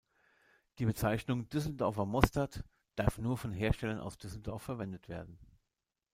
Die Bezeichnung „Düsseldorfer Mostert“ darf nur von Herstellern aus Düsseldorf verwendet werden.